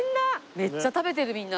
めっちゃ食べてるみんな。